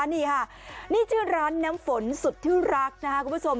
นี่ค่ะนี่ชื่อร้านน้ำฝนสุดที่รักนะครับคุณผู้ชม